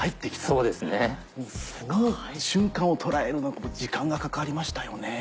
その瞬間を捉えるのって時間がかかりましたよね。